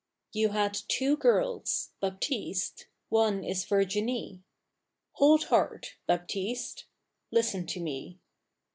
You had two girls Baptiste One is Virginie Hold hard Baptiste! Listen to me.